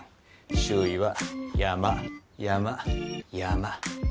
周囲は山山山。